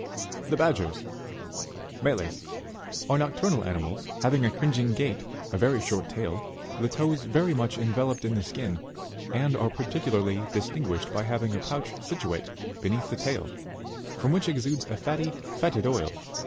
12. The BADGERS Meles are nocturnal animals, having a cringing gait, a very short tail, the toes very much enveloped in the skin, and are particularly distinguished by having a pouch situate beneath the tail, from which exudes a fatty, fcetid oil.